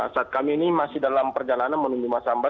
saat kami ini masih dalam perjalanan menuju masamba